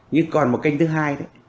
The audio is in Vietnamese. nhưng còn một kênh thứ hai